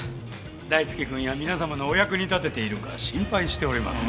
大介君や皆さまのお役に立てているか心配しております。